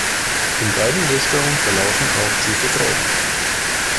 In beiden Richtungen verlaufen auch tiefe Gräben.